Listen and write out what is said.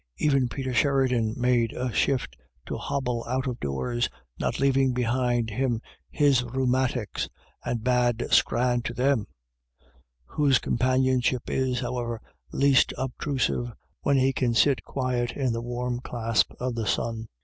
Even Peter Sheridan made a shift to hobble out of doors, not leaving behind him his rheumatics —" and bad scran to them "— whose companionship is, however, least obtrusive, when he can sit quiet in the warm clasp of the sun.